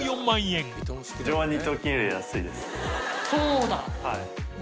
そうだ。